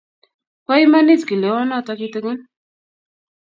Po imanit kilewonotok kitigin